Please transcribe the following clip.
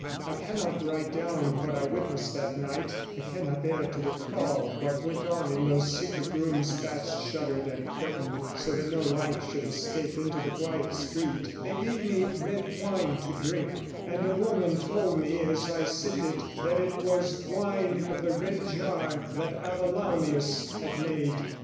I cannot write down what I witnessed that night; I cannot bear to recall what went on in those secret rooms fast shuttered and curtained so that no light should escape into the quiet street; they gave me red wine to drink, and a woman told me as I sipped it that it was wine of the Red Jar that Avallaunius had made.